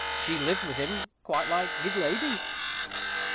She lived with him quite like his lady."